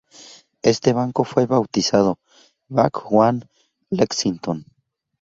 Este banco fue bautizado Bank One Lexington.